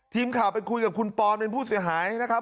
ทีมข่าวไปคุยกับคุณปอนเป็นผู้เสียหายนะครับ